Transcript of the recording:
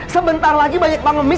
sebentar lagi banyak panglemis